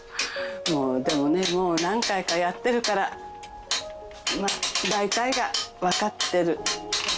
もうでもねもう何回かやってるからまあ大体がわかってるんですが。